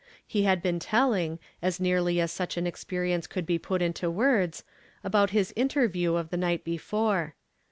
He had been telling, as nearly as such an experience could be put into words, about his interview of the night before.